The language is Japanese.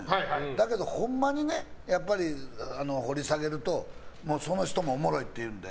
だけどほんまに掘り下げるとその人もおもろいっていうんで。